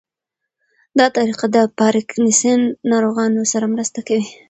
دا طریقه د پارکینسن ناروغانو سره مرسته کوي.